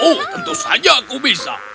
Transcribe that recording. oh tentu saja aku bisa